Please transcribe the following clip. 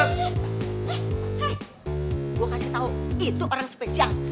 hah gue kasih tau itu orang spesial